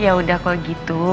yaudah kalau gitu